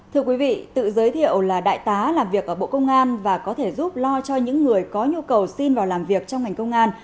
thưa quý vị tự giới thiệu là đại tá làm việc ở bộ công an và có thể giúp lo cho những người có nhu cầu xin vào làm việc trong ngành công an